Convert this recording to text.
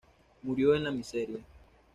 Murió en la miseria"".